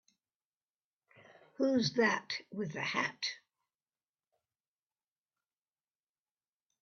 Who's that with the hat?